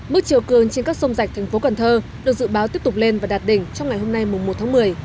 mức chiều cương trên các sông rạch tp cnh được dự báo tiếp tục lên và đạt đỉnh trong ngày hôm nay mùa một tháng một mươi